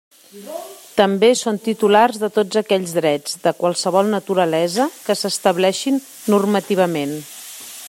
També són titulars de tots aquells drets, de qualsevol naturalesa, que s'estableixin normativament.